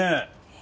え？